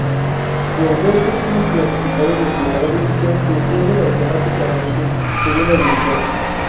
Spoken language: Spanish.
Los dos últimos clasificado de primera división descienden automáticamente segunda división.